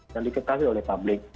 atau diakui oleh publik